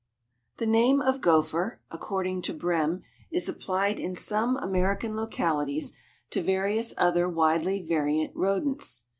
The name of gopher, according to Brehm, is applied in some American localities to various other widely variant rodents.